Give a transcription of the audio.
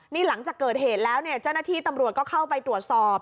นี่หลังจากเกิดเหตุแล้วเนี่ยเจ้าหน้าที่ตำรวจก็เข้าไปตรวจสอบ